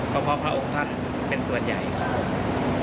เพราะพระองค์ท่านเป็นส่วนใหญ่ครับผม